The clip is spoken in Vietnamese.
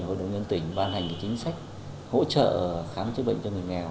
hội đồng nhân tỉnh ban hành chính sách hỗ trợ khám chữa bệnh cho người nghèo